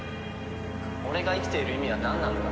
俺が生きている意味はなんなのか。